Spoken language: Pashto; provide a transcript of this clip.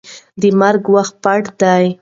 د مرګ وخت پټ دی.